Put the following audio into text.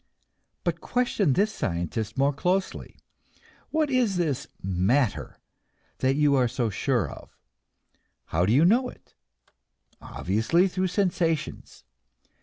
But question this scientist more closely. What is this "matter" that you are so sure of? How do you know it? Obviously, through sensations.